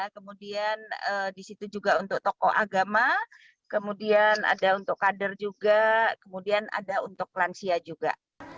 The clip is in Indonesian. kemudian di situ juga untuk tokoh agama kemudian ada untuk kader juga kemudian ada untuk lansia juga